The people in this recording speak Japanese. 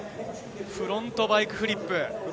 フロントバイクフリップ。